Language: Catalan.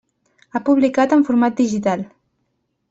Ha publicat en format digital.